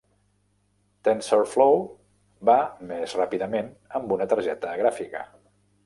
Tensorflow va més ràpidament amb una targeta gràfica.